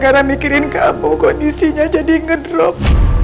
gara gara mikirin kamu kondisinya jadi ngedrop